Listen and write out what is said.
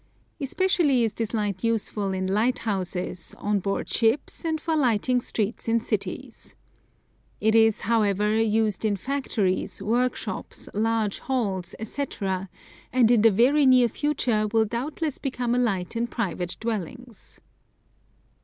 Especially is this light useful in lighthouses, on board ships and for lighting streets in cities. It is, however, used in factories, work shops, large halls, etc., and in the very near future will doubtless become a light in private dwellings.